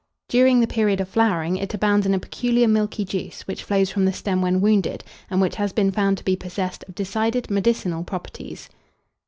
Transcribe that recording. During the period of flowering, it abounds in a peculiar milky juice, which flows from the stem when wounded, and which has been found to be possessed of decided medicinal properties.